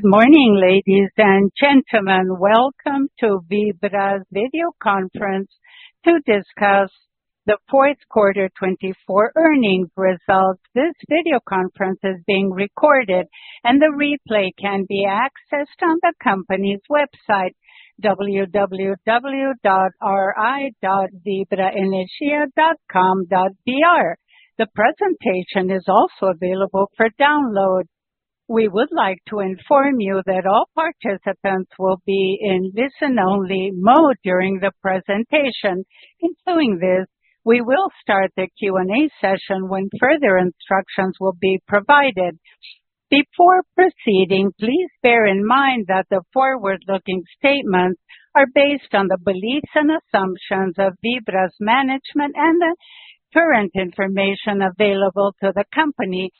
Good morning, ladies and gentlemen. Welcome to Vibra's Video Conference to discuss the Fourth Quarter 2024 earnings results. This video conference is being recorded, and the replay can be accessed on the company's website, www.ri.vibraenergia.com.br. The presentation is also available for download. We would like to inform you that all participants will be in listen-only mode during the presentation. In doing this, we will start the Q&A session when further instructions will be provided. Before proceeding, please bear in mind that the forward-looking statements are based on the beliefs and assumptions of Vibra's management and the current information available to the company.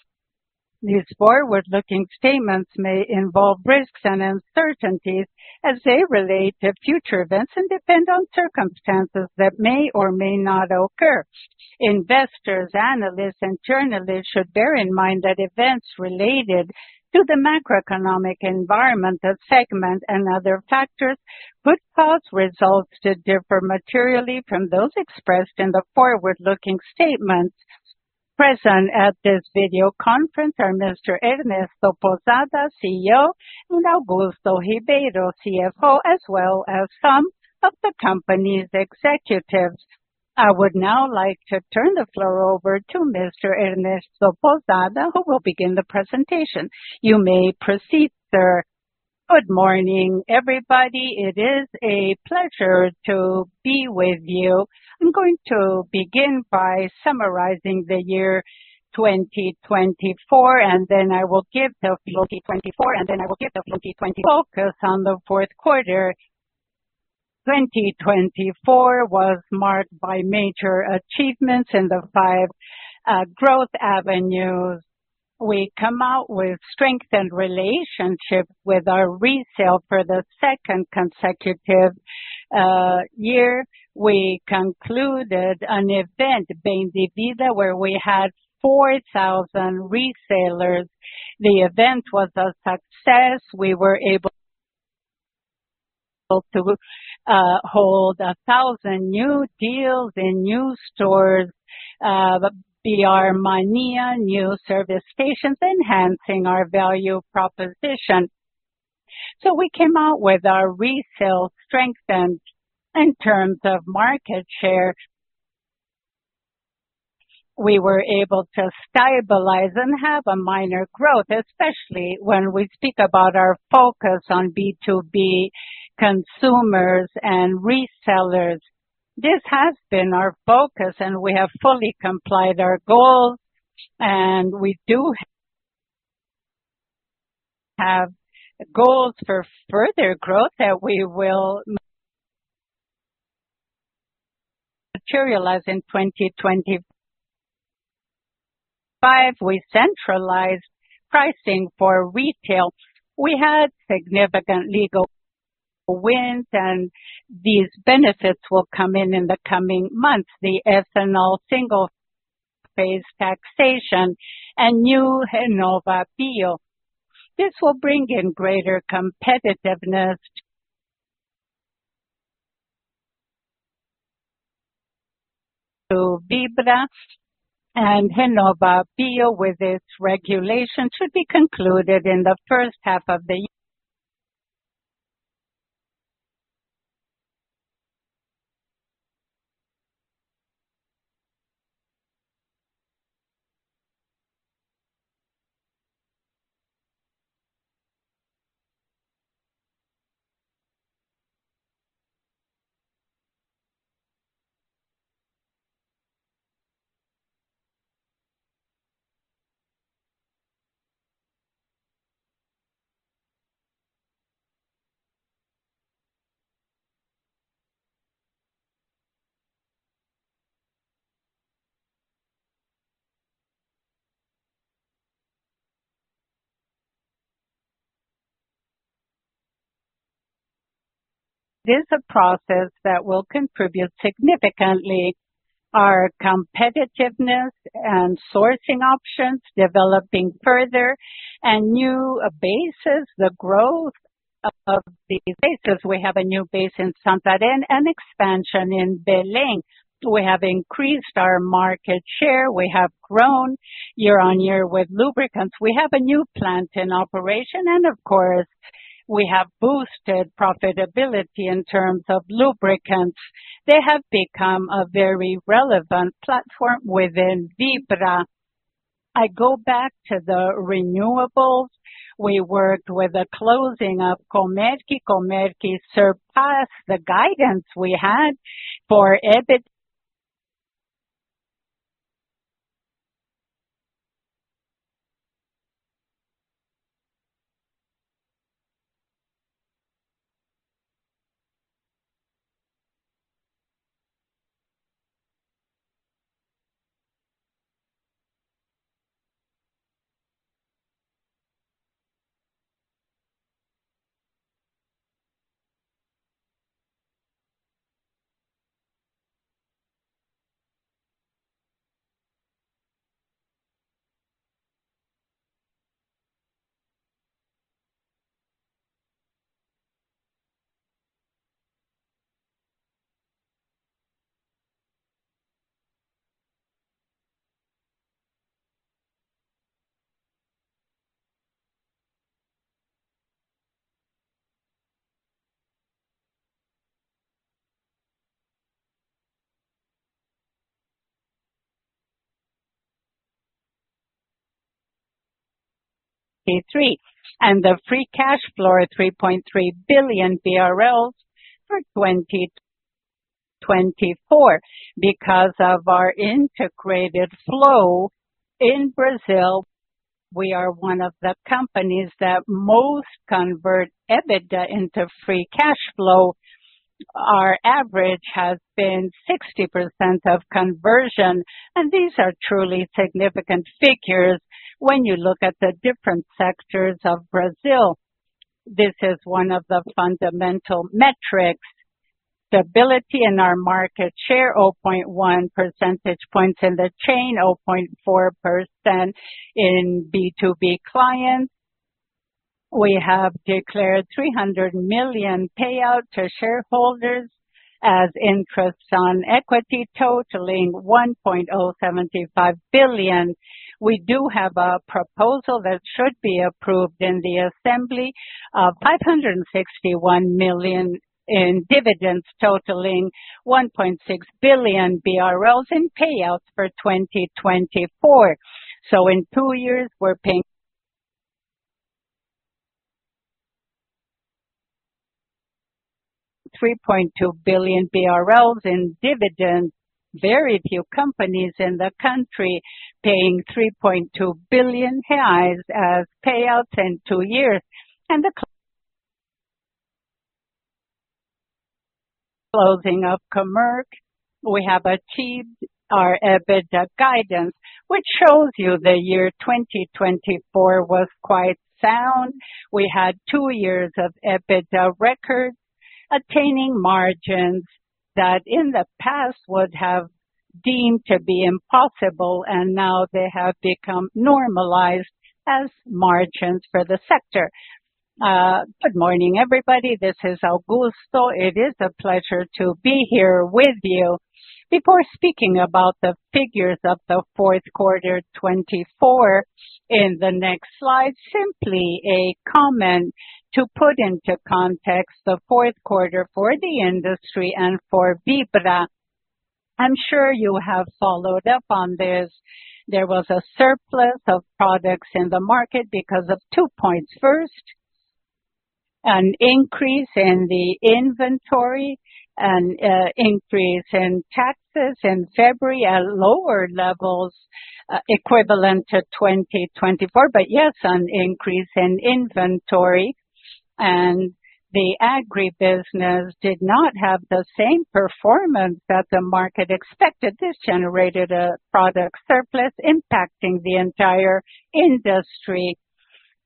These forward-looking statements may involve risks and uncertainties as they relate to future events and depend on circumstances that may or may not occur. Investors, analysts, and journalists should bear in mind that events related to the macroeconomic environment, the segment, and other factors could cause results to differ materially from those expressed in the forward-looking statements. Present at this video conference are Mr. Ernesto Pousada, CEO, and Augusto Ribeiro, CFO, as well as some of the company's executives. I would now like to turn the floor over to Mr. Ernesto Pousada, who will begin the presentation. You may proceed, sir. Good morning, everybody. It is a pleasure to be with you. I'm going to begin by summarizing the year 2024, and then I will give the 2024, and then I will give the focus on the Fourth Quarter 2024, which was marked by major achievements in the five growth avenues. We come out with strength and relationship with our resellers for the second consecutive year. We concluded an event, Vem Pra Vibra, where we had 4,000 resellers. The event was a success. We were able to hold 1,000 new deals in new stores, BR Mania, new service stations, enhancing our value proposition. So we came out with our resale strengthened in terms of market share. We were able to stabilize and have a minor growth, especially when we speak about our focus on B2B consumers and resellers. This has been our focus, and we have fully complied with our goals, and we do have goals for further growth that we will materialize in 2025. We centralized pricing for retail. We had significant legal wins, and these benefits will come in in the coming months: the ethanol single-phase taxation and new RenovaBio. This will bring in greater competitiveness to Vibra, and RenovaBio, with its regulation, should be concluded in the first half of the year. It is a process that will contribute significantly to our competitiveness and sourcing options, developing further and new bases, the growth of these bases. We have a new base in Santarém and expansion in Belém. We have increased our market share. We have grown year on year with lubricants. We have a new plant in operation, and of course, we have boosted profitability in terms of lubricants. They have become a very relevant platform within Vibra. I go back to the renewables. We worked with the closing of Comerc. Comerc surpassed the guidance we had for EBITDA 2023, and the free cash flow is 3.3 billion BRL for 2024. Because of our integrated flow in Brazil, we are one of the companies that most convert EBITDA into free cash flow. Our average has been 60% of conversion, and these are truly significant figures when you look at the different sectors of Brazil. This is one of the fundamental metrics: stability in our market share, 0.1 percentage points in the chain, 0.4% in B2B clients. We have declared 300 million payouts to shareholders as interest on equity, totaling 1.075 billion. We do have a proposal that should be approved in the assembly of 561 million in dividends, totaling 1.6 billion in payouts for 2024, so in two years, we're paying 3.2 billion BRL in dividends. Very few companies in the country are paying 3.2 billion reais as payouts in two years, and the closing of Comerc, we have achieved our EBITDA guidance, which shows you the year 2024 was quite sound. We had two years of EBITDA records, attaining margins that in the past would have deemed to be impossible, and now they have become normalized as margins for the sector. Good morning, everybody. This is Augusto. It is a pleasure to be here with you. Before speaking about the figures of the fourth quarter 2024, in the next slide, simply a comment to put into context the fourth quarter for the industry and for Vibra. I'm sure you have followed up on this. There was a surplus of products in the market because of two points: first, an increase in the inventory and an increase in taxes in February at lower levels equivalent to 2024, but yes, an increase in inventory, and the agribusiness did not have the same performance that the market expected. This generated a product surplus impacting the entire industry.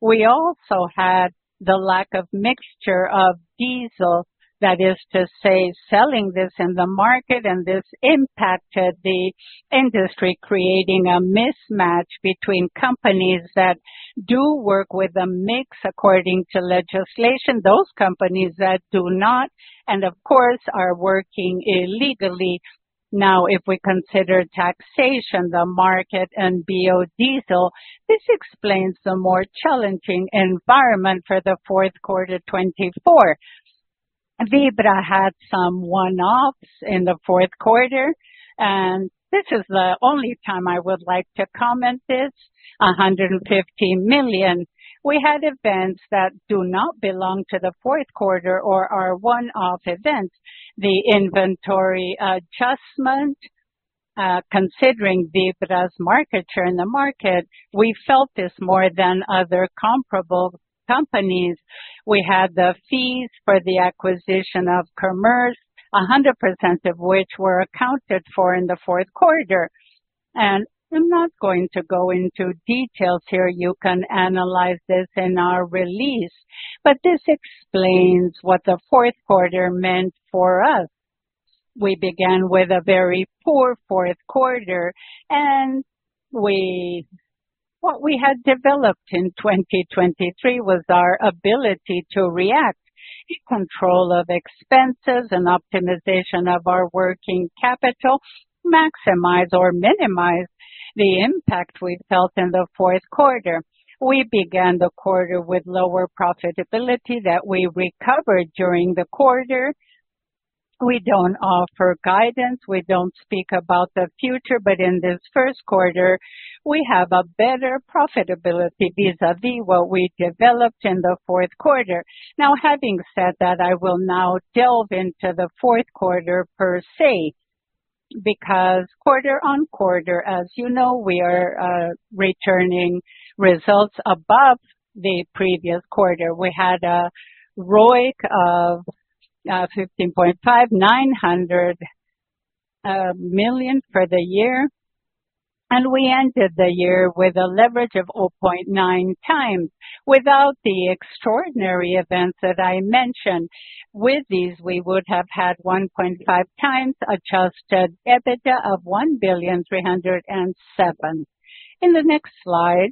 We also had the lack of mixture of diesel, that is to say, selling this in the market, and this impacted the industry, creating a mismatch between companies that do work with a mix according to legislation, those companies that do not, and of course, are working illegally. Now, if we consider taxation, the market, and biodiesel, this explains the more challenging environment for the fourth quarter 2024. Vibra had some one-offs in the fourth quarter, and this is the only time I would like to comment this: 150 million. We had events that do not belong to the fourth quarter or are one-off events. The inventory adjustment, considering Vibra's market share in the market, we felt is more than other comparable companies. We had the fees for the acquisition of Comerc, 100% of which were accounted for in the fourth quarter. I'm not going to go into details here. You can analyze this in our release, but this explains what the fourth quarter meant for us. We began with a very poor fourth quarter, and what we had developed in 2023 was our ability to react, control of expenses, and optimization of our working capital, maximize or minimize the impact we felt in the fourth quarter. We began the quarter with lower profitability that we recovered during the quarter. We don't offer guidance. We don't speak about the future, but in this first quarter, we have a better profitability vis-à-vis what we developed in the fourth quarter. Now, having said that, I will now delve into the fourth quarter per se because quarter-on-quarter, as you know, we are returning results above the previous quarter. We had a ROIC of 15.5% 900 million for the year, and we ended the year with a leverage of 0.9 times. Without the extraordinary events that I mentioned, with these, we would have had 1.5 times adjusted EBITDA of 1.307 billion. In the next slide,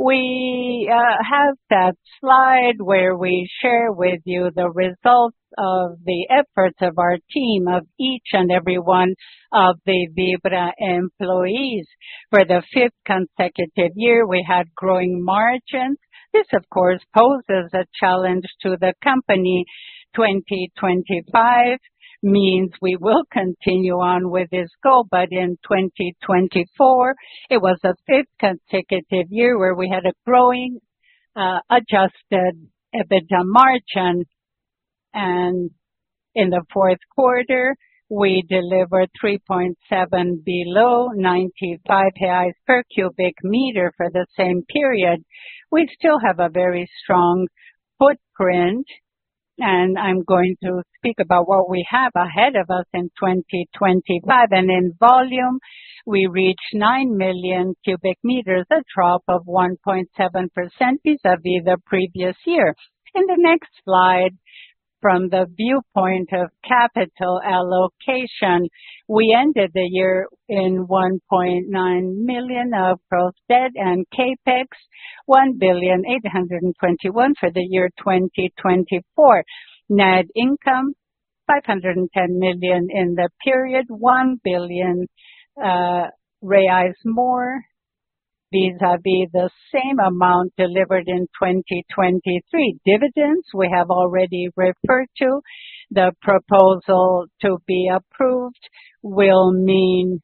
we have that slide where we share with you the results of the efforts of our team, of each and every one of the Vibra employees. For the fifth consecutive year, we had growing margins. This, of course, poses a challenge to the company. 2025 means we will continue on with this goal, but in 2024, it was a fifth consecutive year where we had a growing adjusted EBITDA margin, and in the fourth quarter, we delivered 3.7% below 95 per cubic meter for the same period. We still have a very strong footprint, and I'm going to speak about what we have ahead of us in 2025. In volume, we reached 9 million cubic meters, a drop of 1.7% vis-à-vis the previous year. In the next slide, from the viewpoint of capital allocation, we ended the year with 1.9 billion of gross debt and CapEx 1.821 billion for the year 2024. Net income 510 million in the period, 1 billion more vis-à-vis the same amount delivered in 2023. Dividends, we have already referred to. The proposal to be approved will mean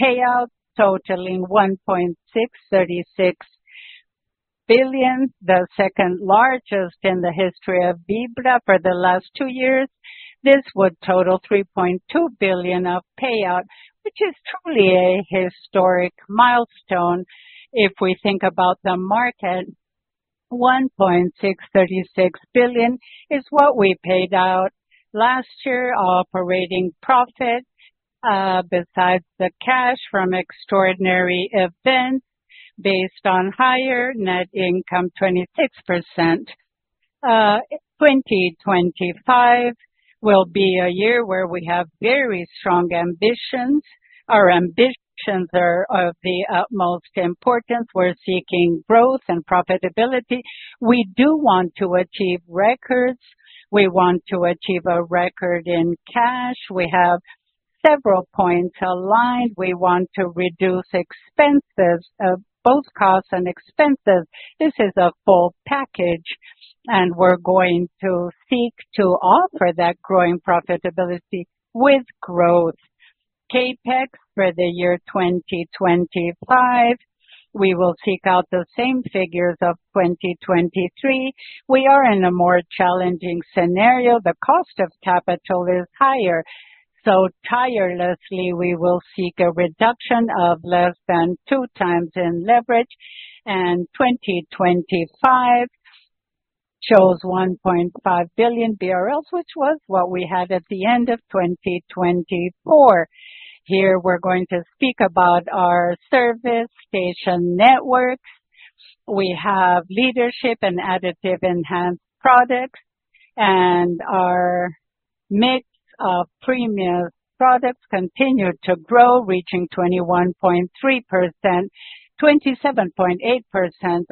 payout totaling 1.636 billion, the second largest in the history of Vibra for the last two years. This would total 3.2 billion of payout, which is truly a historic milestone if we think about the market. 1.636 billion is what we paid out last year. Operating profit, besides the cash from extraordinary events based on higher net income, 26%. 2025 will be a year where we have very strong ambitions. Our ambitions are of the utmost importance. We're seeking growth and profitability. We do want to achieve records. We want to achieve a record in cash. We have several points aligned. We want to reduce expenses, both costs and expenses. This is a full package, and we're going to seek to offer that growing profitability with growth. CapEx for the year 2025, we will seek out the same figures of 2023. We are in a more challenging scenario. The cost of capital is higher. So tirelessly, we will seek a reduction of less than two times in leverage, and 2025 shows 1.5 billion BRL, which was what we had at the end of 2024. Here, we're going to speak about our service station networks. We have leadership and additive enhanced products, and our mix of premium products continued to grow, reaching 21.3%, 27.8%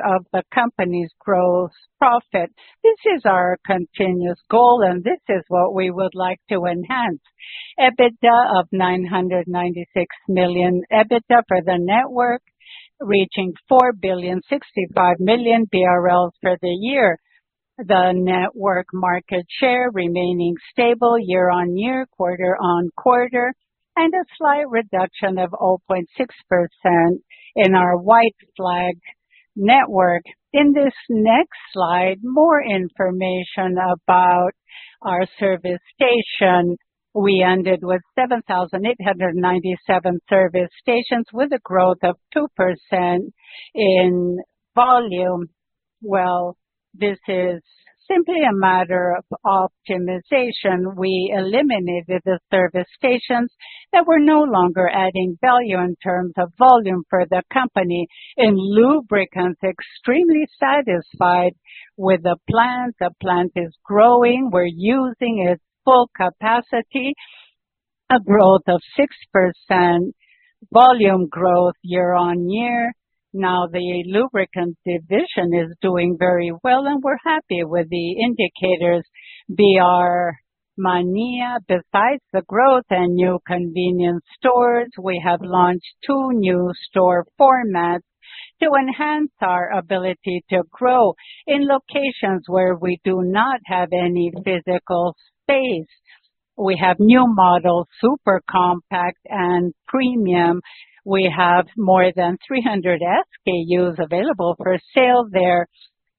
of the company's gross profit. This is our continuous goal, and this is what we would like to enhance. EBITDA of 996 million for the network, reaching 4,065,000,000 BRL for the year. The network market share remaining stable year-on-year, quarter-on-quarter, and a slight reduction of 0.6% in our White Flag network. In this next slide, more information about our service station. We ended with 7,897 service stations, with a growth of 2% in volume. This is simply a matter of optimization. We eliminated the service stations that were no longer adding value in terms of volume for the company. In lubricants, extremely satisfied with the plant. The plant is growing. We're using its full capacity, a growth of 6%, volume growth year-on-year. Now, the Lubricant division is doing very well, and we're happy with the indicators. BR Mania, besides the growth and new convenience stores, we have launched two new store formats to enhance our ability to grow in locations where we do not have any physical space. We have new models, super compact and premium. We have more than 300 SKUs available for sale there.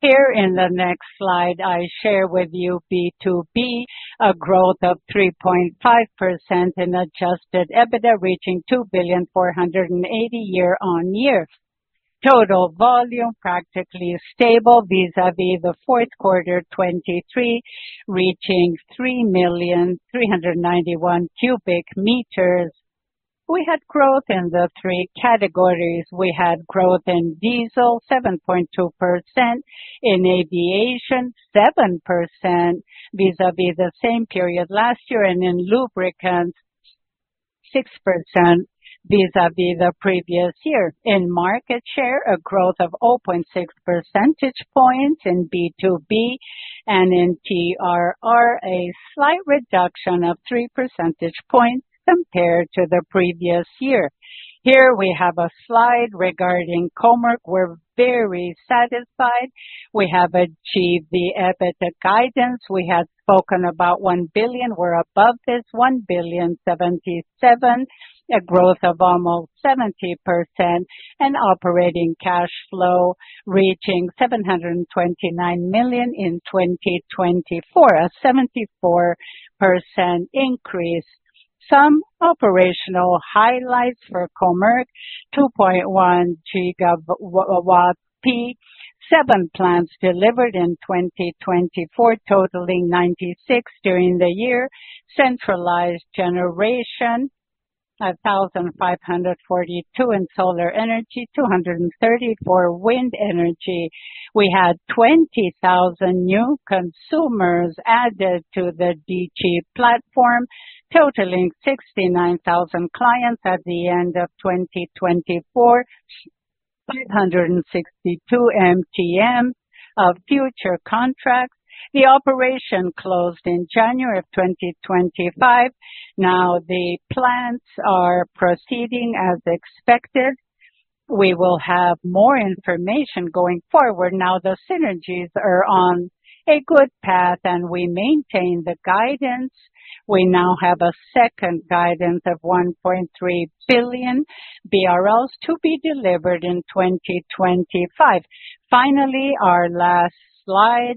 Here, in the next slide, I share with you B2B, a growth of 3.5% in adjusted EBITDA, reaching 2.480, billion year-on-year. Total volume practically stable vis-à-vis the fourth quarter 2023, reaching 3.391 million cubic meters. We had growth in the three categories. We had growth in diesel, 7.2%, in aviation, 7% vis-à-vis the same period last year, and in lubricants, 6% vis-à-vis the previous year. In market share, a growth of 0.6 percentage points in B2B and in TRR, a slight reduction of 3 percentage points compared to the previous year. Here, we have a slide regarding Comerc. We're very satisfied. We have achieved the EBITDA guidance. We had spoken about 1 billion. We're above this, 1.077 billion a growth of almost 70%, and operating cash flow reaching 729 million in 2024, a 74% increase. Some operational highlights for Comerc: 2.1 GWp, seven plants delivered in 2024, totaling 96 during the year. Centralized generation, 1,542 in solar energy, 234 wind energy. We had 20,000 new consumers added to the DG platform, totaling 69,000 clients at the end of 2024, 562 MTM of future contracts. The operation closed in January of 2025. Now, the plants are proceeding as expected. We will have more information going forward. Now, the synergies are on a good path, and we maintain the guidance. We now have a second guidance of 1.3 billion BRL to be delivered in 2025. Finally, our last slide,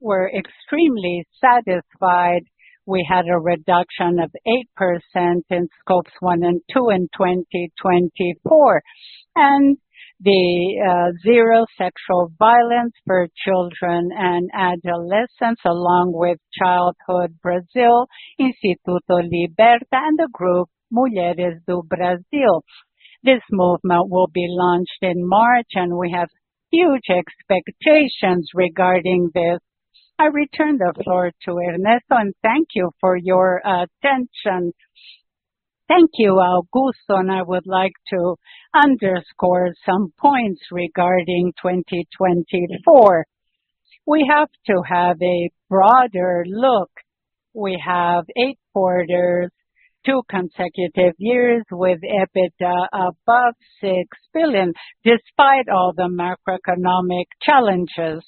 we're extremely satisfied. We had a reduction of 8% in Scopes 1 and 2 in 2024, and the Zero Sexual Violence for Children and Adolescents, along with Childhood Brasil, Instituto Liberta, and Grupo Mulheres do Brasil. This movement will be launched in March, and we have huge expectations regarding this. I return the floor to Ernesto, and thank you for your attention. Thank you, Augusto. And I would like to underscore some points regarding 2024. We have to have a broader look. We have eight quarters, two consecutive years with EBITDA above 6 billion, despite all the macroeconomic challenges.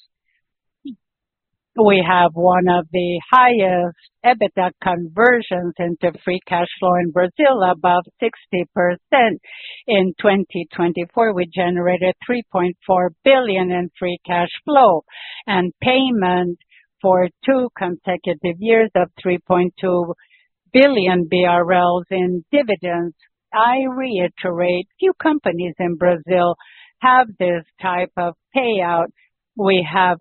We have one of the highest EBITDA conversions into free cash flow in Brazil, above 60%. In 2024, we generated 3.4 billion in free cash flow and payout for two consecutive years of 3.2 billion BRL in dividends. I reiterate, few companies in Brazil have this type of payout. We have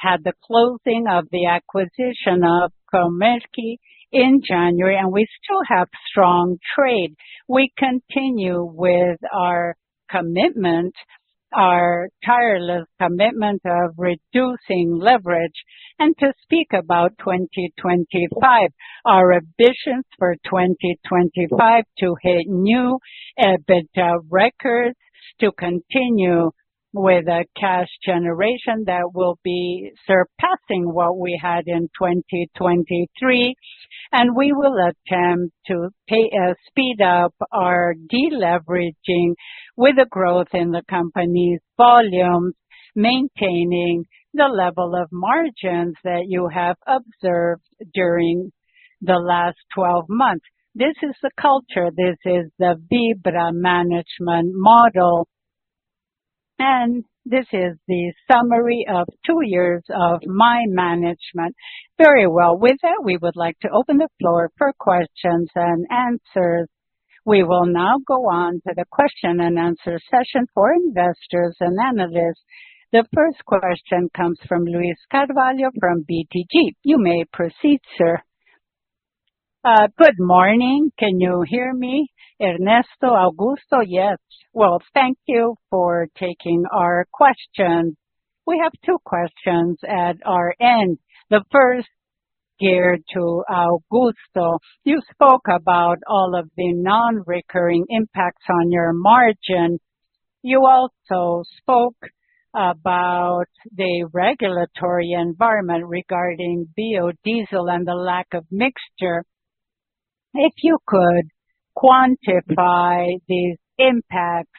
had the closing of the acquisition of Comerc Energia in January, and we still have strong track record. We continue with our commitment, our tireless commitment of reducing leverage, and to speak about 2025, our ambitions for 2025 to hit new EBITDA records, to continue with a cash generation that will be surpassing what we had in 2023. And we will attempt to speed up our deleveraging with the growth in the company's volumes, maintaining the level of margins that you have observed during the last 12 months. This is the culture. This is the Vibra management model. And this is the summary of two years of my management. Very well. With that, we would like to open the floor for questions and answers. We will now go on to the question and answer session for investors and analysts. The first question comes from Luiz Carvalho from BTG. You may proceed, sir. Good morning. Can you hear me, Ernesto, Augusto? Yes. Well, thank you for taking our question. We have two questions at our end. The first goes to Augusto. You spoke about all of the non-recurring impacts on your margin. You also spoke about the regulatory environment regarding biodiesel and the lack of mixture. If you could quantify these impacts,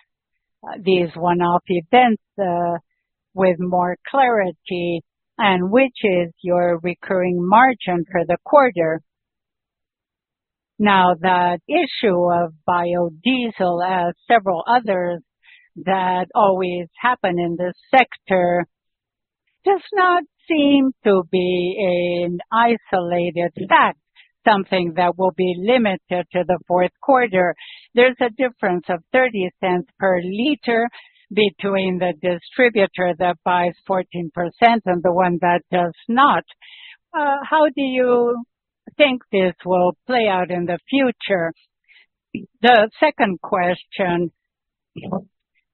these one-off events, with more clarity, and which is your recurring margin for the quarter. Now, that issue of biodiesel, as several others that always happen in this sector, does not seem to be an isolated fact, something that will be limited to the fourth quarter. There's a difference of 0.30 per liter between the distributor that buys 14% and the one that does not. How do you think this will play out in the future? The second question,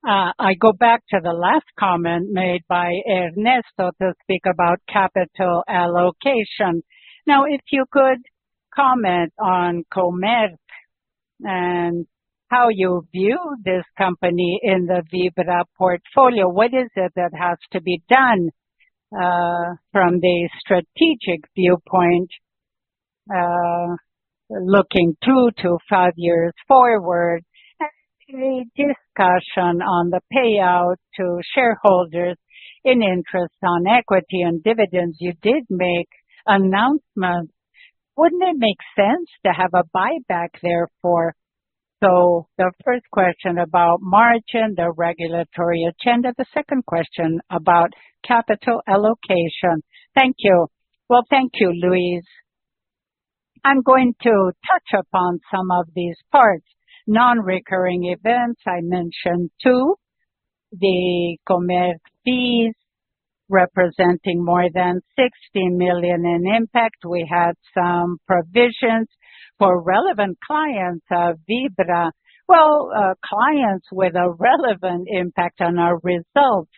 I go back to the last comment made by Ernesto to speak about capital allocation. Now, if you could comment on Comerc and how you view this company in the Vibra portfolio, what is it that has to be done from the strategic viewpoint, looking two to five years forward, and a discussion on the payout to shareholders in interest on equity and dividends? You did make announcements. Wouldn't it make sense to have a buyback therefore? So the first question about margin, the regulatory agenda, the second question about capital allocation. Thank you. Thank you, Luiz. I'm going to touch upon some of these parts. Non-recurring events, I mentioned two, the Comerc fees representing more than 60 million in impact. We had some provisions for relevant clients of Vibra, well, clients with a relevant impact on our results.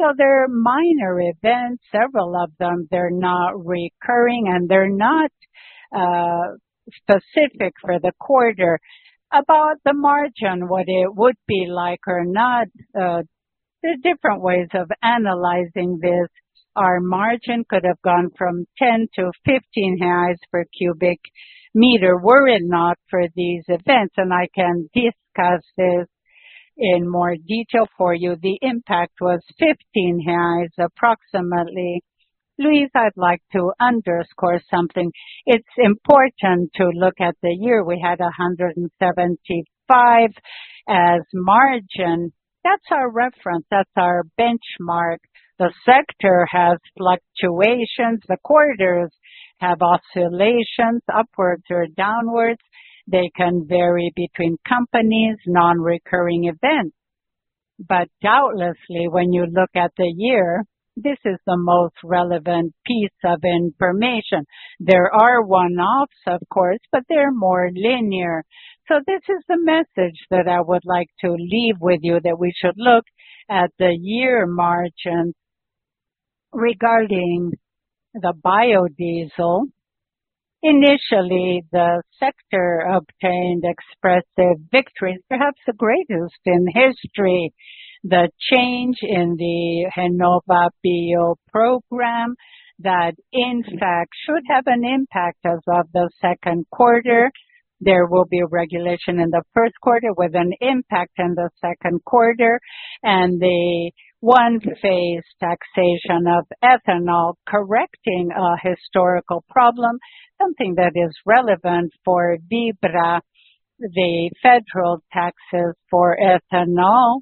So there are minor events, several of them. They're not recurring, and they're not specific for the quarter. About the margin, what it would be like or not, there are different ways of analyzing this. Our margin could have gone from 10-15 per cubic meter. Were it not for these events, and I can discuss this in more detail for you, the impact was 15 reais approximately. Luiz, I'd like to underscore something. It's important to look at the year. We had 175 as margin. That's our reference. That's our benchmark. The sector has fluctuations. The quarters have oscillations, upwards or downwards. They can vary between companies, non-recurring events. But doubtlessly, when you look at the year, this is the most relevant piece of information. There are one-offs, of course, but they're more linear. So this is the message that I would like to leave with you, that we should look at the year margin regarding the biodiesel. Initially, the sector obtained expressive victories, perhaps the greatest in history. The change in the RenovaBio program that, in fact, should have an impact as of the second quarter. There will be regulation in the first quarter with an impact in the second quarter, and the one-phase taxation of ethanol correcting a historical problem, something that is relevant for Vibra, the federal taxes for ethanol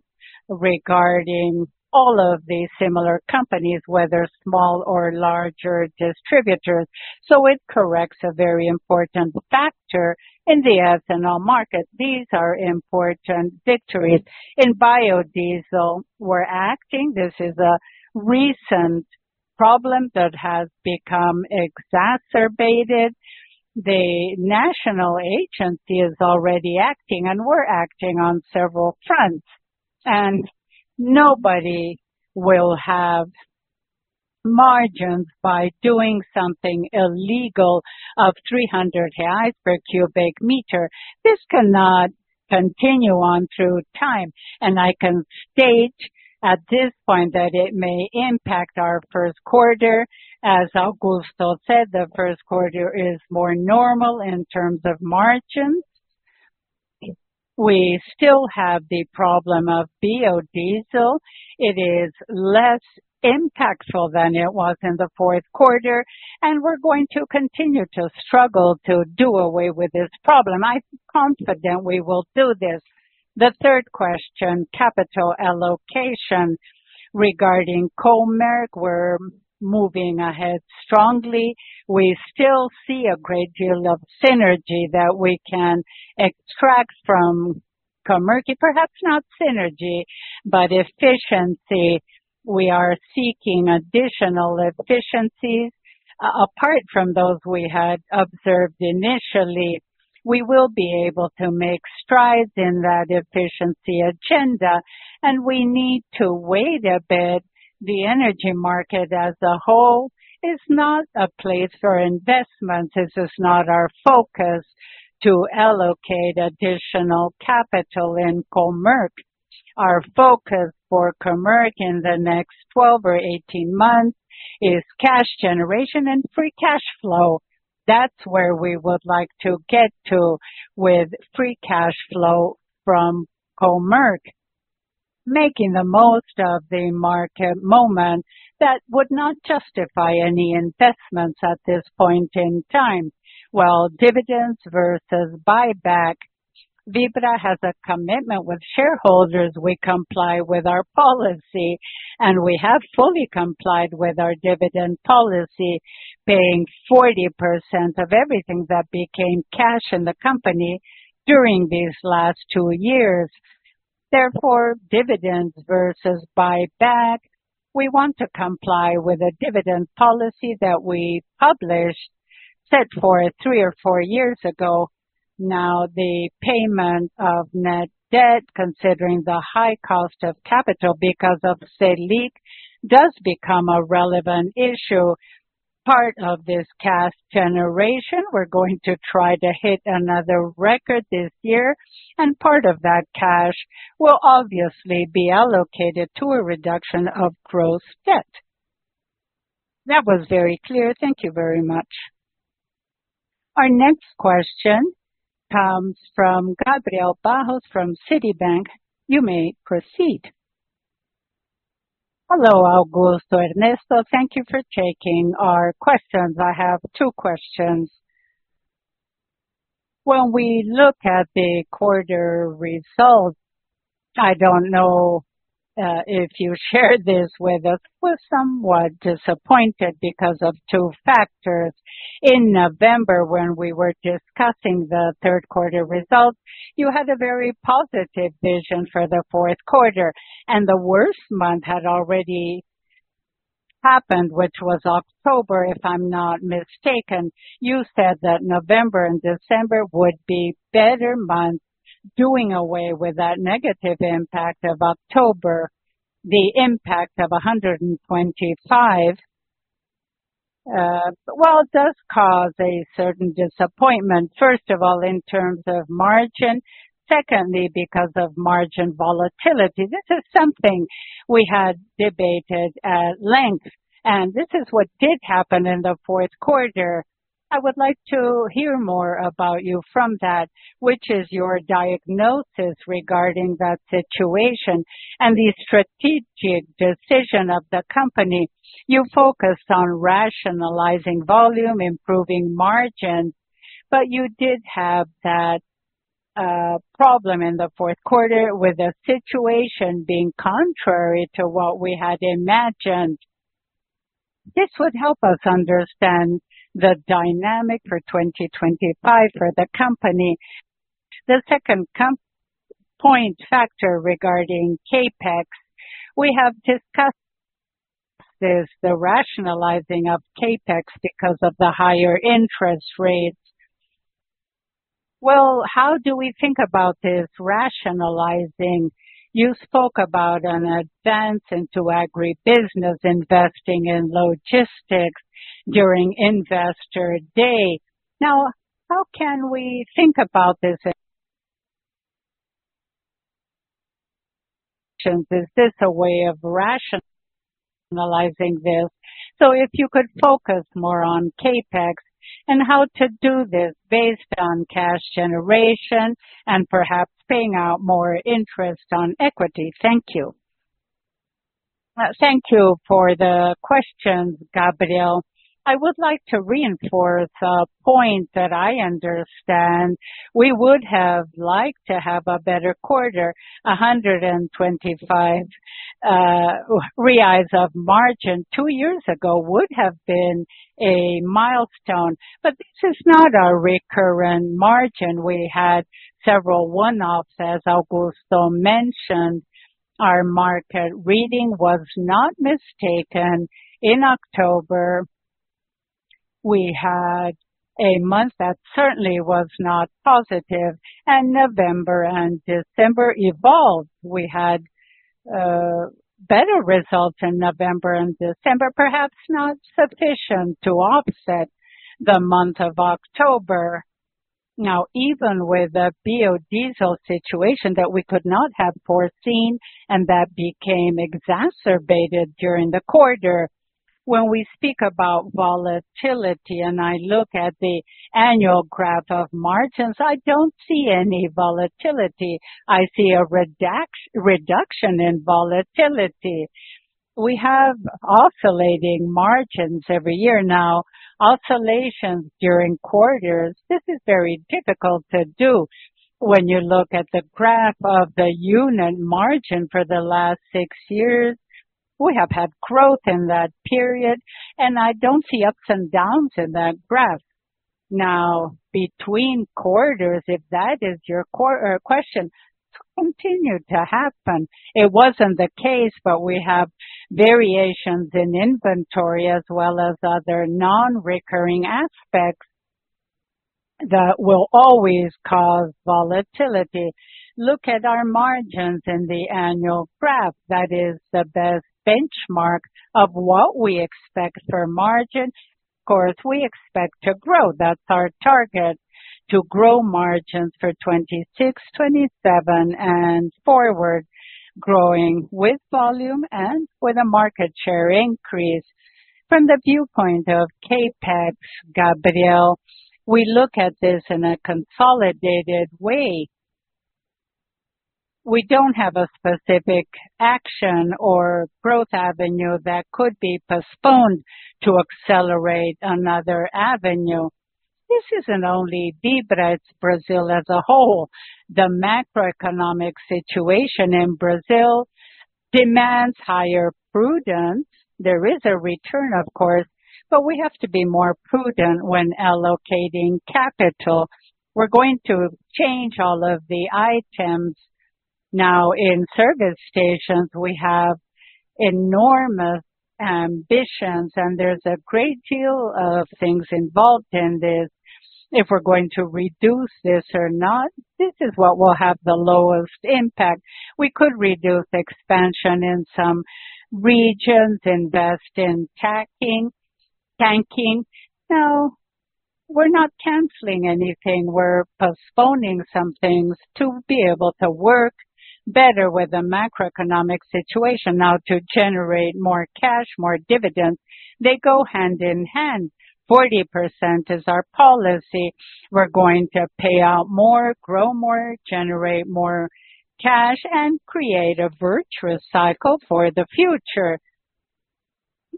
regarding all of the similar companies, whether small or larger distributors. So it corrects a very important factor in the ethanol market. These are important victories. In biodiesel, we're acting. This is a recent problem that has become exacerbated. The national agency is already acting, and we're acting on several fronts, and nobody will have margins by doing something illegal of 300 reais per cubic meter. This cannot continue on through time, and I can state at this point that it may impact our first quarter. As Augusto said, the first quarter is more normal in terms of margins. We still have the problem of biodiesel. It is less impactful than it was in the fourth quarter, and we're going to continue to struggle to do away with this problem. I'm confident we will do this. The third question, capital allocation regarding Comerc, we're moving ahead strongly. We still see a great deal of synergy that we can extract from Comerc, perhaps not synergy, but efficiency. We are seeking additional efficiencies. Apart from those we had observed initially, we will be able to make strides in that efficiency agenda, and we need to wait a bit. The energy market as a whole is not a place for investments. This is not our focus to allocate additional capital in Comerc. Our focus for Comerc in the next 12 or 18 months is cash generation and free cash flow. That's where we would like to get to with free cash flow from Comerc, making the most of the market moment that would not justify any investments at this point in time, well, dividends versus buyback, Vibra has a commitment with shareholders. We comply with our policy, and we have fully complied with our dividend policy, paying 40% of everything that became cash in the company during these last two years. Therefore, dividends versus buyback, we want to comply with a dividend policy that we published, set forth three or four years ago. Now, the payment of net debt, considering the high cost of capital because of Selic, does become a relevant issue. Part of this cash generation, we're going to try to hit another record this year, and part of that cash will obviously be allocated to a reduction of gross debt. That was very clear. Thank you very much. Our next question comes from Gabriel Barros from Citibank. You may proceed. Hello, Augusto. Ernesto, thank you for taking our questions. I have two questions. When we look at the quarter results, I don't know if you shared this with us. We're somewhat disappointed because of two factors. In November, when we were discussing the third quarter results, you had a very positive vision for the fourth quarter. The worst month had already happened, which was October, if I'm not mistaken. You said that November and December would be better months, doing away with that negative impact of October. The impact of 125, well, it does cause a certain disappointment, first of all, in terms of margin, secondly, because of margin volatility. This is something we had debated at length, and this is what did happen in the fourth quarter. I would like to hear more from you about that, which is your diagnosis regarding that situation and the strategic decision of the company. You focused on rationalizing volume, improving margins, but you did have that problem in the fourth quarter with a situation being contrary to what we had imagined. This would help us understand the dynamic for 2025 for the company. The second point factor regarding CapEx, we have discussed the rationalizing of CapEx because of the higher interest rates. Well, how do we think about this rationalizing? You spoke about an advance into agribusiness, investing in logistics during Investor Day. Now, how can we think about this? Is this a way of rationalizing this? So if you could focus more on CapEx and how to do this based on cash generation and perhaps paying out more interest on equity. Thank you. Thank you for the questions, Gabriel. I would like to reinforce a point that I understand. We would have liked to have a better quarter, 125 reais of margin. Two years ago would have been a milestone, but this is not our recurrent margin. We had several one-offs, as Augusto mentioned. Our market reading was not mistaken. In October, we had a month that certainly was not positive, and November and December evolved. We had better results in November and December, perhaps not sufficient to offset the month of October. Now, even with a biodiesel situation that we could not have foreseen and that became exacerbated during the quarter, when we speak about volatility and I look at the annual graph of margins, I don't see any volatility. I see a reduction in volatility. We have oscillating margins every year now, oscillations during quarters. This is very difficult to do. When you look at the graph of the unit margin for the last six years, we have had growth in that period, and I don't see ups and downs in that graph. Now, between quarters, if that is your question, it continued to happen. It wasn't the case, but we have variations in inventory as well as other non-recurring aspects that will always cause volatility. Look at our margins in the annual graph. That is the best benchmark of what we expect for margin. Of course, we expect to grow. That's our target, to grow margins for 2026, 2027, and forward, growing with volume and with a market share increase. From the viewpoint of CapEx, Gabriel, we look at this in a consolidated way. We don't have a specific action or growth avenue that could be postponed to accelerate another avenue. This isn't only Vibra, it's Brazil as a whole. The macroeconomic situation in Brazil demands higher prudence. There is a return, of course, but we have to be more prudent when allocating capital. We're going to change all of the items. Now, in service stations, we have enormous ambitions, and there's a great deal of things involved in this. If we're going to reduce this or not, this is what will have the lowest impact. We could reduce expansion in some regions, invest in tanking. Now, we're not canceling anything. We're postponing some things to be able to work better with the macroeconomic situation. Now, to generate more cash, more dividends, they go hand in hand. 40% is our policy. We're going to pay out more, grow more, generate more cash, and create a virtuous cycle for the future.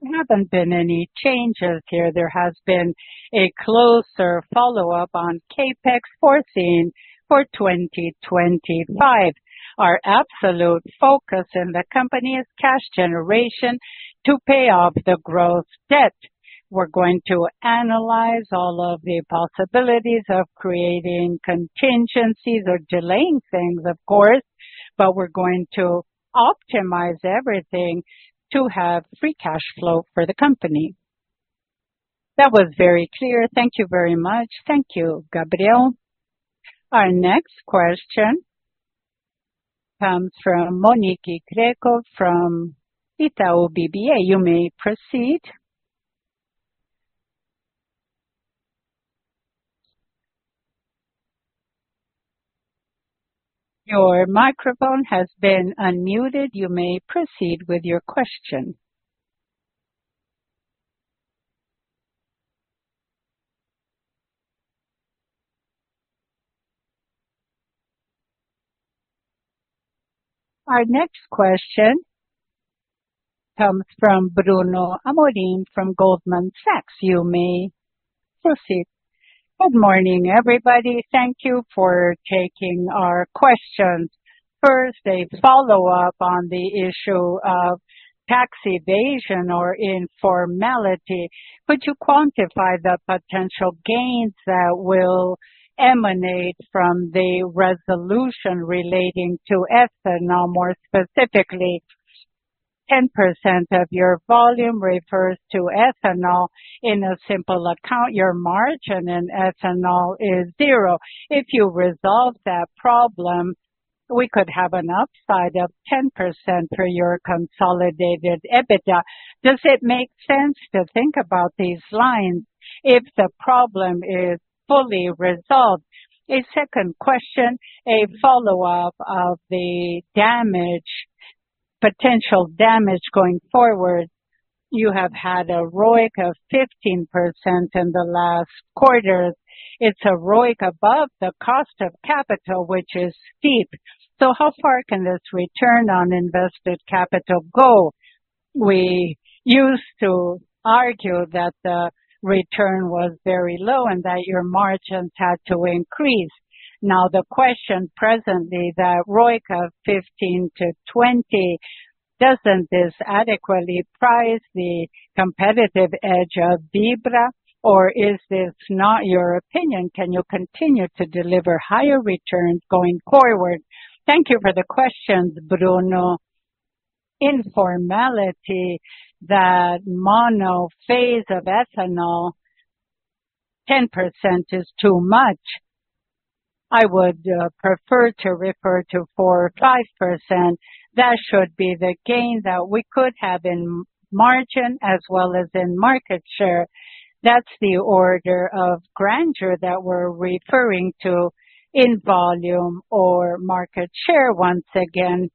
There haven't been any changes here. There has been a closer follow-up on CapEx foreseen for 2025. Our absolute focus in the company is cash generation to pay off the growth debt. We're going to analyze all of the possibilities of creating contingencies or delaying things, of course, but we're going to optimize everything to have free cash flow for the company. That was very clear. Thank you very much. Thank you, Gabriel. Our next question comes from Monique Greco from Itaú BBA. You may proceed. Your microphone has been unmuted. You may proceed with your question. Our next question comes from Bruno Amorim from Goldman Sachs. You may proceed. Good morning, everybody. Thank you for taking our questions. First, a follow-up on the issue of tax evasion or informality. Could you quantify the potential gains that will emanate from the resolution relating to ethanol? More specifically, 10% of your volume refers to ethanol. In a simple account, your margin in ethanol is zero. If you resolve that problem, we could have an upside of 10% for your consolidated EBITDA. Does it make sense to think about these lines if the problem is fully resolved? A second question, a follow-up of the potential damage going forward. You have had a ROIC of 15% in the last quarter. It's a ROIC above the cost of capital, which is steep. So how far can this return on invested capital go? We used to argue that the return was very low and that your margins had to increase. Now, the question presently, that ROIC of 15%-20%, doesn't this adequately price the competitive edge of Vibra, or is this not your opinion? Can you continue to deliver higher returns going forward? Thank you for the questions, Bruno. Informally, that monophase of ethanol, 10% is too much. I would prefer to refer to 4%-5%. That should be the gain that we could have in margin as well as in market share. That's the order of magnitude that we're referring to in volume or market share once again.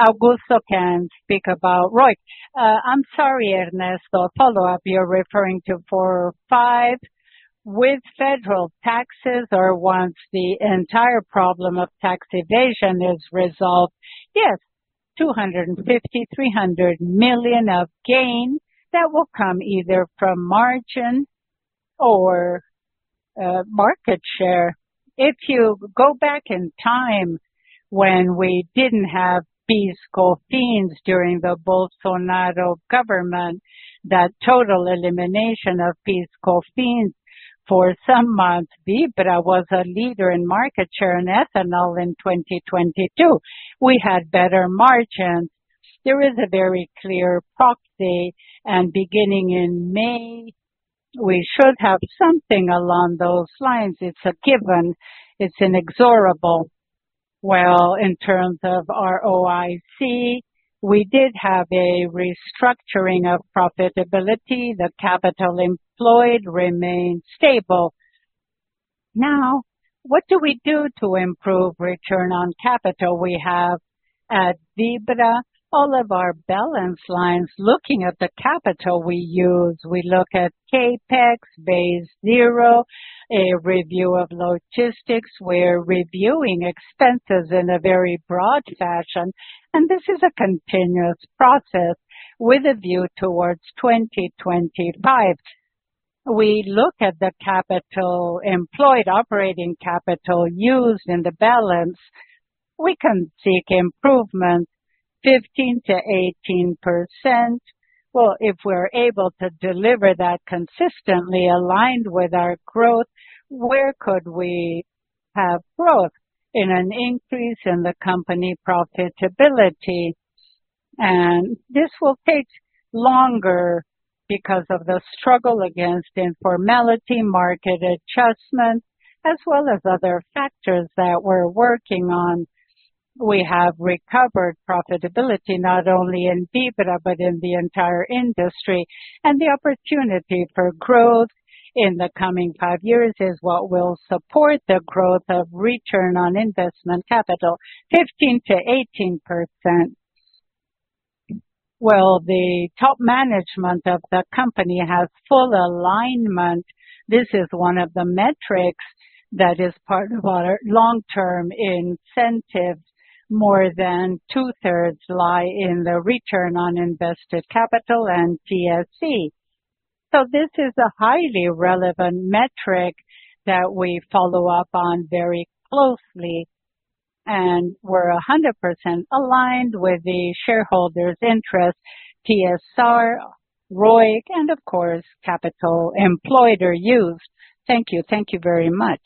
Augusto can speak about ROIC. I'm sorry, Ernesto, follow-up. You're referring to 4%-5% with federal taxes or once the entire problem of tax evasion is resolved. Yes, 250-300 million of gain that will come either from margin or market share. If you go back in time when we didn't have PIS/COFINS during the Bolsonaro government, that total elimination of PIS/COFINS for some months, Vibra was a leader in market share in ethanol in 2022. We had better margins. There is a very clear proxy, and beginning in May, we should have something along those lines. It's a given. It's inexorable. In terms of our ROIC, we did have a restructuring of profitability. The capital employed remained stable. Now, what do we do to improve return on capital we have at Vibra? All of our balance lines, looking at the capital we use, we look at CapEx, base-zero, a review of logistics. We're reviewing expenses in a very broad fashion, and this is a continuous process with a view towards 2025. We look at the capital employed, operating capital used in the balance. We can seek improvement, 15%-18%. Well, if we're able to deliver that consistently, aligned with our growth, where could we have growth in an increase in the company profitability? And this will take longer because of the struggle against informality, market adjustment, as well as other factors that we're working on. We have recovered profitability not only in Vibra, but in the entire industry. The opportunity for growth in the coming five years is what will support the growth of Return On Invested Capital, 15%-18%. The top management of the company has full alignment. This is one of the metrics that is part of our long-term incentives. More than 2/3 lie in the Return On Invested Capital and TSR. This is a highly relevant metric that we follow up on very closely. We're 100% aligned with the shareholders' interest, TSR, ROIC, and of course, capital employed or used. Thank you. Thank you very much.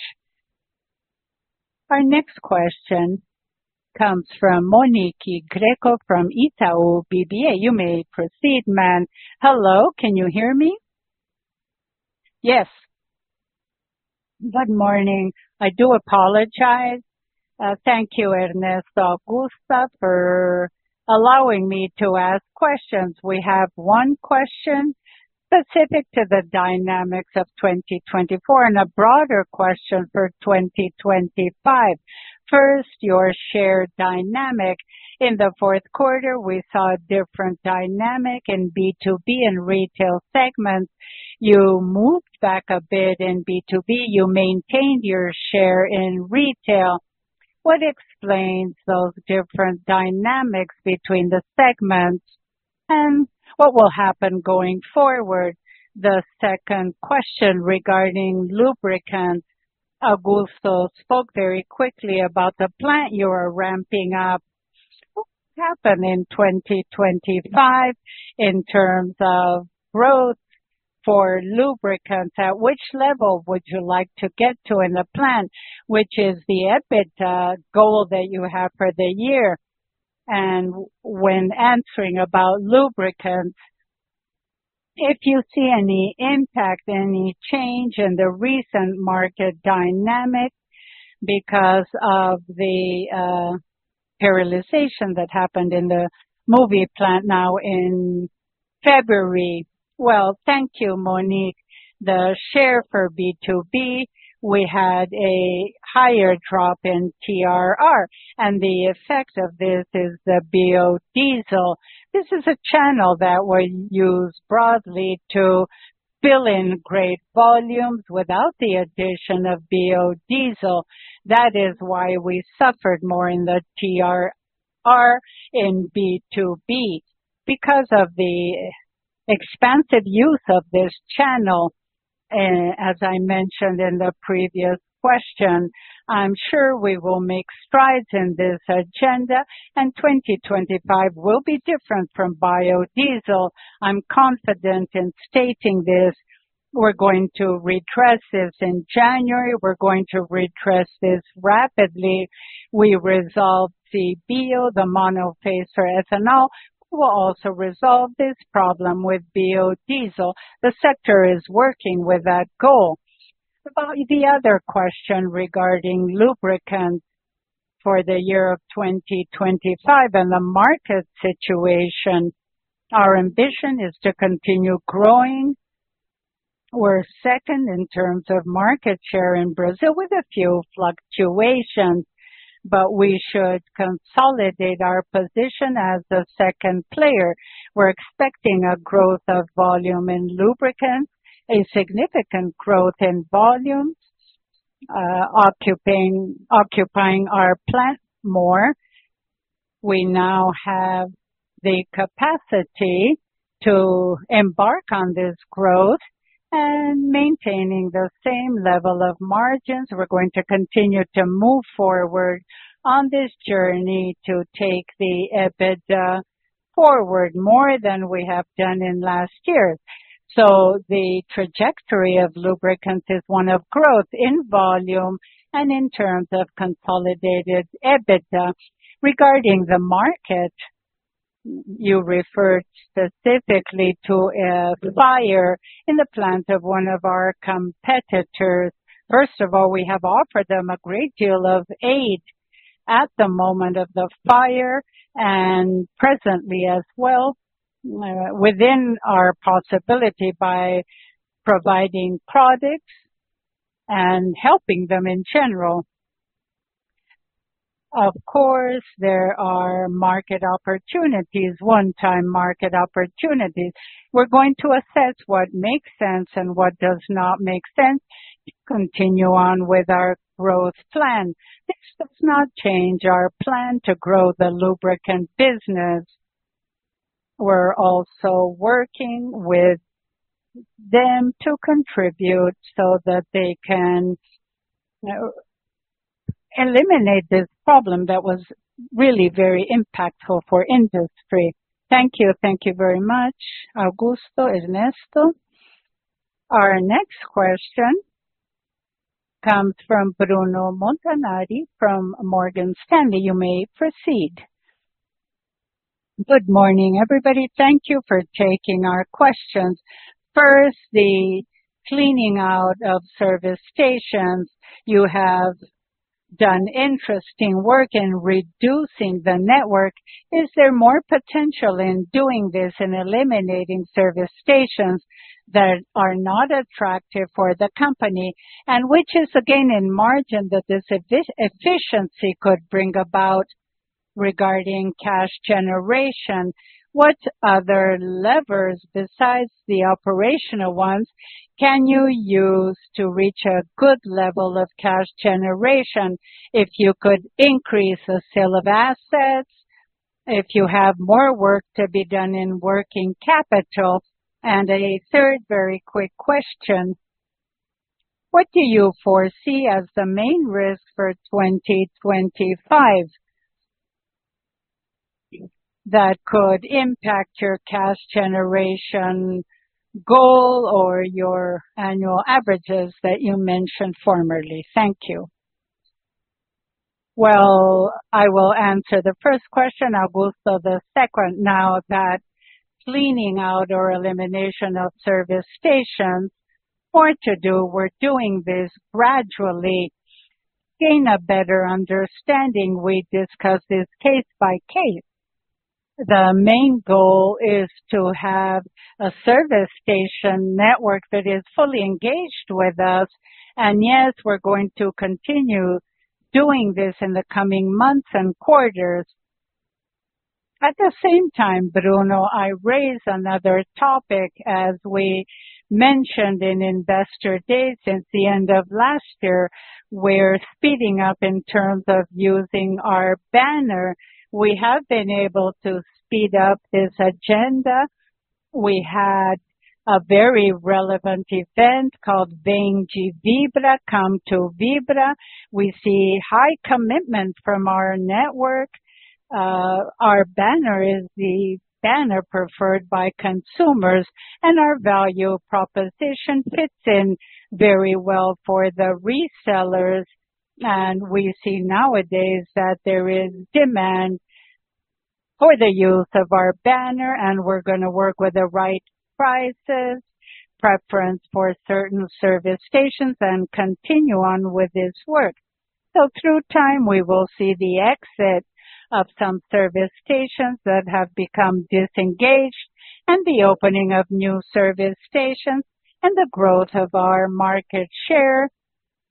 Our next question comes from Monique Greco from Itaú BBA. You may proceed, ma'am. Hello, can you hear me? Yes. Good morning. I do apologize. Thank you, Ernesto, Augusto, for allowing me to ask questions. We have one question specific to the dynamics of 2024 and a broader question for 2025. First, your share dynamic. In the fourth quarter, we saw a different dynamic in B2B and retail segments. You moved back a bit in B2B. You maintained your share in retail. What explains those different dynamics between the segments and what will happen going forward? The second question regarding lubricants. Augusto spoke very quickly about the plant you are ramping up. What will happen in 2025 in terms of growth for lubricants? At which level would you like to get to in the plant, which is the EBITDA goal that you have for the year? And when answering about lubricants, if you see any impact, any change in the recent market dynamic because of the paralyzation that happened in the Moove plant now in February. Well, thank you, Monique. The share for B2B, we had a higher drop in TRR, and the effect of this is the biodiesel. This is a channel that we use broadly to fill in great volumes without the addition of biodiesel. That is why we suffered more in the TRR in B2B. Because of the expansive use of this channel, as I mentioned in the previous question, I'm sure we will make strides in this agenda, and 2025 will be different from biodiesel. I'm confident in stating this. We're going to redress this in January. We're going to redress this rapidly. We resolved the biodiesel, the monophase for ethanol. We'll also resolve this problem with biodiesel. The sector is working with that goal. The other question regarding lubricants for the year of 2025 and the market situation, our ambition is to continue growing. We're second in terms of market share in Brazil with a few fluctuations, but we should consolidate our position as the second player. We're expecting a growth of volume in lubricants, a significant growth in volumes, occupying our plant Moove. We now have the capacity to embark on this growth and maintaining the same level of margins. We're going to continue to move forward on this journey to take the EBITDA forward more than we have done in last year. So the trajectory of lubricants is one of growth in volume and in terms of consolidated EBITDA. Regarding the market, you referred specifically to a fire in the plant of one of our competitors. First of all, we have offered them a great deal of aid at the moment of the fire and presently as well within our possibility by providing products and helping them in general. Of course, there are market opportunities, one-time market opportunities. We're going to assess what makes sense and what does not make sense to continue on with our growth plan. This does not change our plan to grow the lubricant business. We're also working with them to contribute so that they can eliminate this problem that was really very impactful for the industry. Thank you. Thank you very much, Augusto, Ernesto. Our next question comes from Bruno Montanari from Morgan Stanley. You may proceed. Good morning, everybody. Thank you for taking our questions. First, the cleaning out of service stations. You have done interesting work in reducing the network. Is there more potential in doing this in eliminating service stations that are not attractive for the company? And what is, again, the margin that this efficiency could bring about regarding cash generation? What other levers besides the operational ones can you use to reach a good level of cash generation if you could increase the sale of assets, if you have more work to be done in working capital? And a third very quick question. What do you foresee as the main risk for 2025 that could impact your cash generation goal or your annual averages that you mentioned formerly? Thank you. Well, I will answer the first question, Augusto. The second, now that cleaning out or elimination of service stations, more to do, we're doing this gradually. Gain a better understanding. We discuss this case by case. The main goal is to have a service station network that is fully engaged with us. And yes, we're going to continue doing this in the coming months and quarters. At the same time, Bruno, I raise another topic. As we mentioned in Investor Day since the end of last year, we're speeding up in terms of using our banner. We have been able to speed up this agenda. We had a very relevant event called Vem pra Vibra, Come to Vibra. We see high commitment from our network. Our banner is the banner preferred by consumers, and our value proposition fits in very well for the resellers, and we see nowadays that there is demand for the use of our banner, and we're going to work with the right prices, preference for certain service stations, and continue on with this work, so through time, we will see the exit of some service stations that have become disengaged and the opening of new service stations and the growth of our market share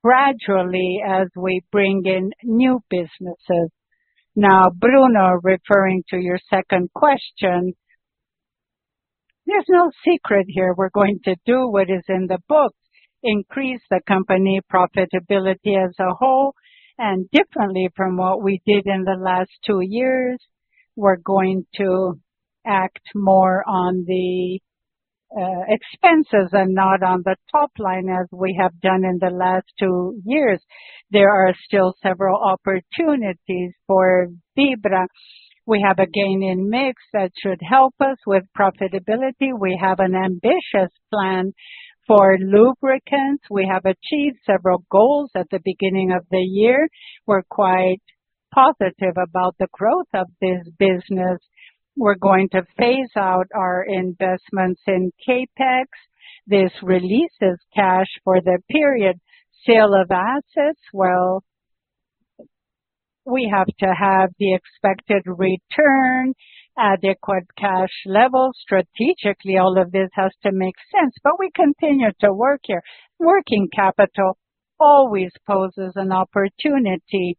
gradually as we bring in new businesses. Now, Bruno, referring to your second question, there's no secret here. We're going to do what is in the books, increase the company profitability as a whole, and differently from what we did in the last two years, we're going to act more on the expenses and not on the top line as we have done in the last two years. There are still several opportunities for Vibra. We have a gain in mix that should help us with profitability. We have an ambitious plan for Lubricants. We have achieved several goals at the beginning of the year. We're quite positive about the growth of this business. We're going to phase out our investments in CapEx. This releases cash for the period sale of assets. We have to have the expected return, adequate cash level. Strategically, all of this has to make sense, but we continue to work here. Working capital always poses an opportunity.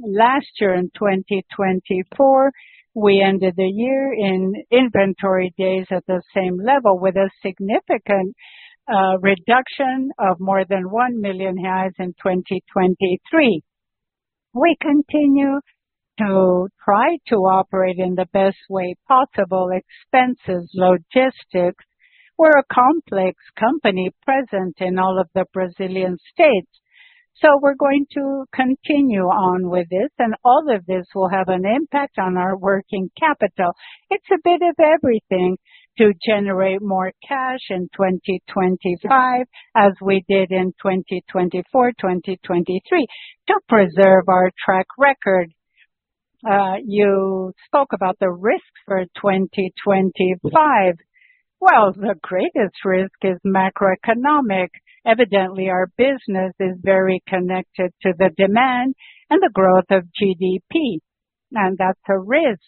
Last year, in 2024, we ended the year in inventory days at the same level with a significant reduction of more than 1 million in 2023. We continue to try to operate in the best way possible. Expenses, logistics. We're a complex company present in all of the Brazilian states. So we're going to continue on with this, and all of this will have an impact on our working capital. It's a bit of everything to generate more cash in 2025 as we did in 2024, 2023, to preserve our track record. You spoke about the risk for 2025. Well, the greatest risk is macroeconomic. Evidently, our business is very connected to the demand and the growth of GDP, and that's a risk.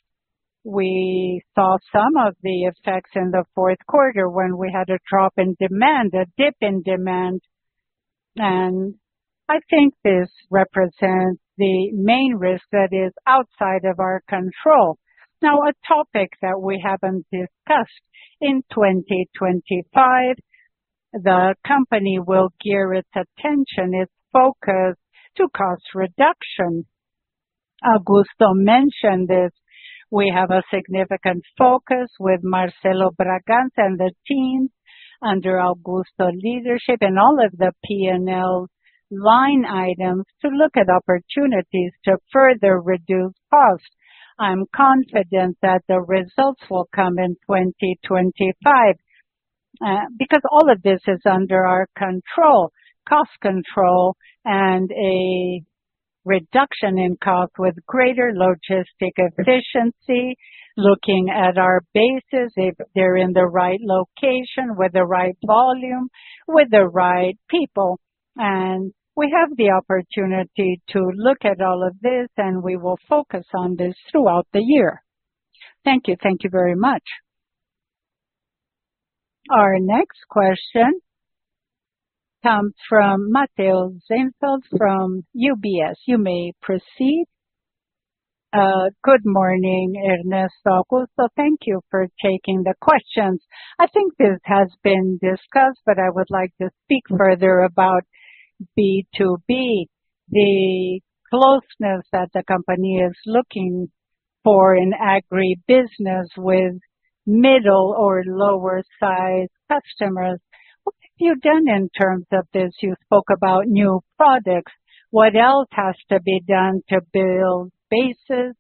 We saw some of the effects in the fourth quarter when we had a drop in demand, a dip in demand, and I think this represents the main risk that is outside of our control. Now, a topic that we haven't discussed in 2025, the company will gear its attention, its focus to cost reduction. Augusto mentioned this. We have a significant focus with Marcelo Bragança and the team under Augusto's leadership and all of the P&L line items to look at opportunities to further reduce costs. I'm confident that the results will come in 2025 because all of this is under our control, cost control and a reduction in cost with greater logistics efficiency, looking at our bases if they're in the right location with the right volume, with the right people. We have the opportunity to look at all of this, and we will focus on this throughout the year. Thank you. Thank you very much. Our next question comes from Matheus Enfeldt from UBS. You may proceed. Good morning, Ernesto Augusto. Thank you for taking the questions. I think this has been discussed, but I would like to speak further about B2B, the closeness that the company is looking for in agribusiness with middle or lower-sized customers. What have you done in terms of this? You spoke about new products. What else has to be done to build bases,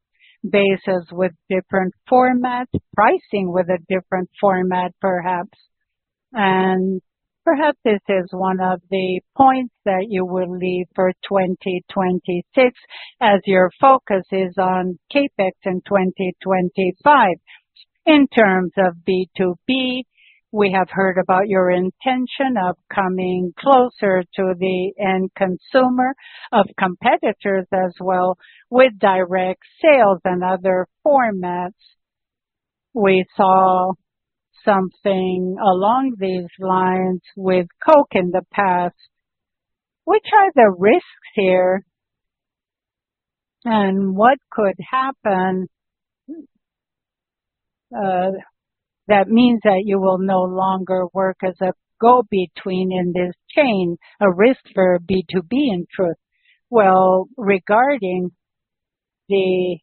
bases with different formats, pricing with a different format, perhaps? Perhaps this is one of the points that you will leave for 2026 as your focus is on CapEx in 2025. In terms of B2B, we have heard about your intention of coming closer to the end consumer of competitors as well with direct sales and other formats. We saw something along these lines with Coke in the past. Which are the risks here and what could happen that means that you will no longer work as a go-between in this chain, a risk for B2B in truth? Well, regarding the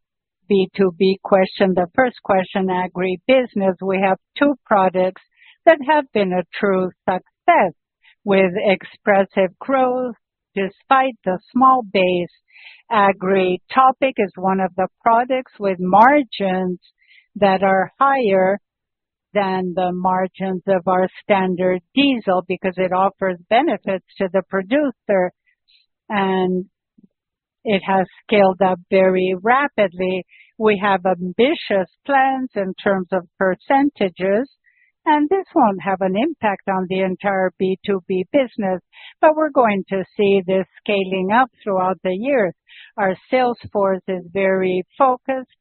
B2B question, the first question, agribusiness, we have two products that have been a true success with expressive growth despite the small base. Agritop is one of the products with margins that are higher than the margins of our standard diesel because it offers benefits to the producer and it has scaled up very rapidly. We have ambitious plans in terms of percentages, and this won't have an impact on the entire B2B business, but we're going to see this scaling up throughout the years. Our sales force is very focused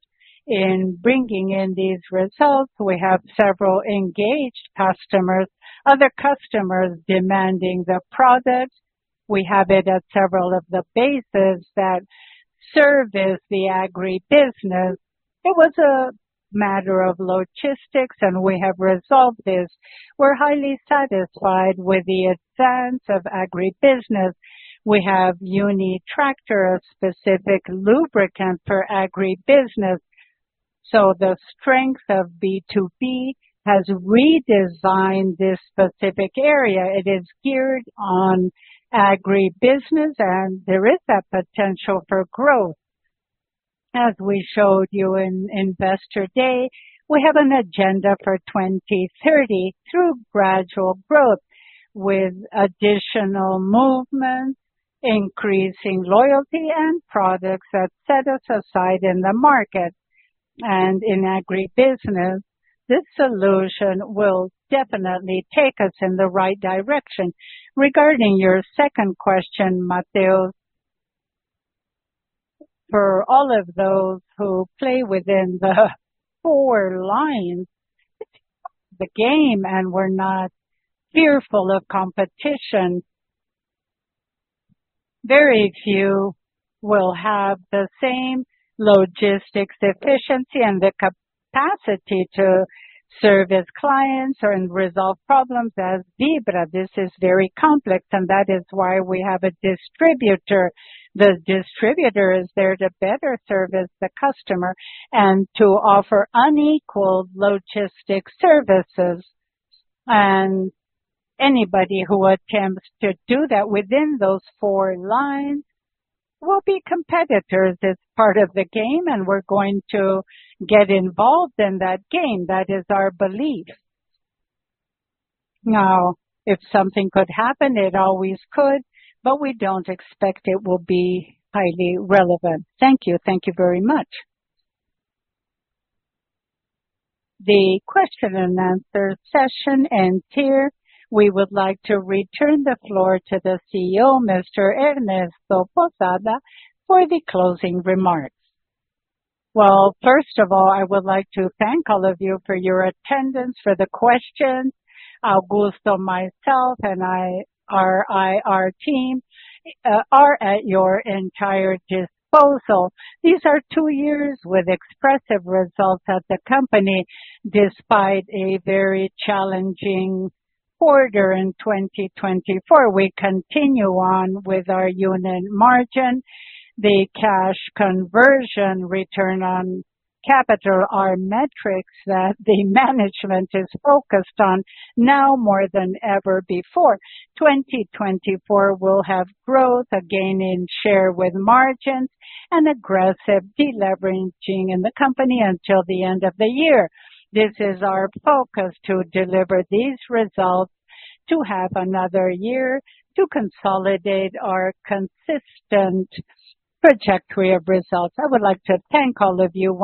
in bringing in these results. We have several engaged customers, other customers demanding the product. We have it at several of the bases that serve as the agribusiness. It was a matter of logistics, and we have resolved this. We're highly satisfied with the advance of agribusiness. We have Unitractor, a specific lubricant for agribusiness. So the strength of B2B has redesigned this specific area. It is geared on agribusiness, and there is that potential for growth. As we showed you in Investor Day, we have an agenda for 2030 through gradual growth with additional movement, increasing loyalty and products that set us aside in the market. In agribusiness, this solution will definitely take us in the right direction. Regarding your second question, Matheus, for all of those who play within the four lines, it's the game, and we're not fearful of competition. Very few will have the same logistics efficiency and the capacity to service clients and resolve problems as Vibra. This is very complex, and that is why we have a distributor. The distributor is there to better service the customer and to offer unequal logistic services. Anybody who attempts to do that within those four lines will be competitors as part of the game, and we're going to get involved in that game. That is our belief. Now, if something could happen, it always could, but we don't expect it will be highly relevant. Thank you. Thank you very much. The question and answer session ends here. We would like to return the floor to the CEO, Mr. Ernesto Pousada, for the closing remarks. Well, first of all, I would like to thank all of you for your attendance, for the questions. Augusto, myself, and our team are at your entire disposal. These are two years with expressive results at the company despite a very challenging quarter in 2024. We continue on with our unit margin, the cash conversion, return on capital, our metrics that the management is focused on now more than ever before. 2024 will have growth, a gain in share with margins, and aggressive deleveraging in the company until the end of the year. This is our focus to deliver these results, to have another year, to consolidate our consistent trajectory of results. I would like to thank all of you.